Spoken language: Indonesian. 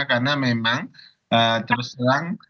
karena memang terus terang